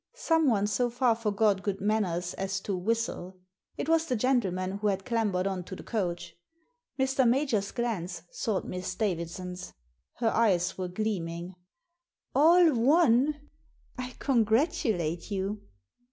Someone so far forgot good manners as to whistle ; it was the gentleman who had clambered on to the coach. Mr. Major's glance sought Miss Davidson's. Her eyes were gleaming. " All won ? I congratulate you."